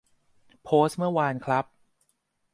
โพสต์เมื่อวานครับ